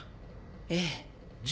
ええ。